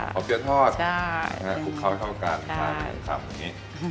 ใช่ขอบเตี้ยทอดใช่ครับคุกเข้าเท่ากันใช่ครับแบบนี้